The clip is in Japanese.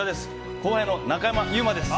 後輩の中山優馬です。